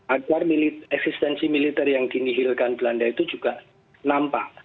agar eksistensi militer yang dinihilkan belanda itu juga nampak